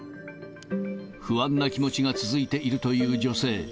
不安な気持ちが続いているという女性。